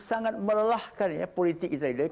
sangat melelahkan ya politik kita ini